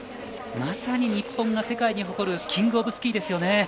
まさに日本が世界に誇るキングオブスキーですよね。